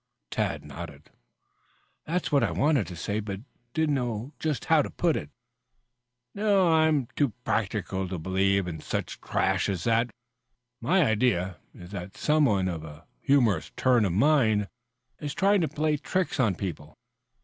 Tad nodded. "That's what I wanted to say, but didn't know just how to put it." "No, I am too practical to believe any such trash as that. My idea is that some one of a humorous turn of mind is trying to play tricks on people.